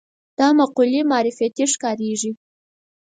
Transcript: دا مقولې معرفتي ښکارېږي